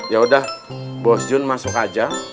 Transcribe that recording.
yaudah bos jun masuk aja